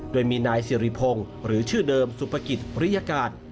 โดยมีนายสิริพงศ์หรือชื่อเดิมสุภกิจริยการ